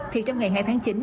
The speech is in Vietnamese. thì trong ngày hai tháng chín